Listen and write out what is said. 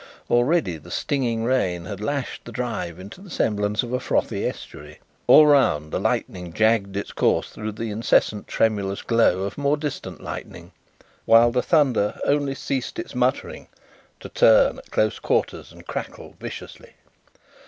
Already the stinging rain had lashed the drive into the semblance of a frothy estuary; all round the lightning jagged its course through the incessant tremulous glow of more distant lightning, while the thunder only ceased its muttering to turn at close quarters and crackle viciously.